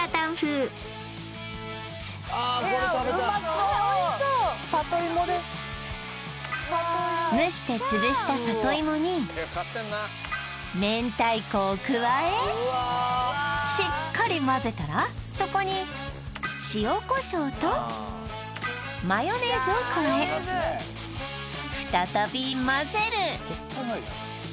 これ食べたいうまそう里芋で蒸して潰した里芋に明太子を加えしっかり混ぜたらそこに塩胡椒とマヨネーズを加え再び混ぜる